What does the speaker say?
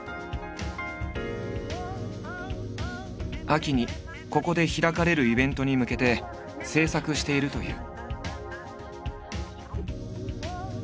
秋にここで開かれるイベントに向けて制作しているという。